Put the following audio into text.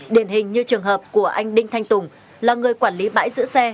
điển hình như trường hợp của anh đinh thanh tùng là người quản lý bãi giữ xe